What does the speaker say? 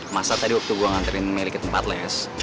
masa tadi waktu gue nganterin melik ke tempat les